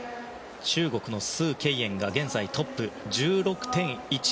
中国のスウ・ケイエンが現在トップ。１６．１６６。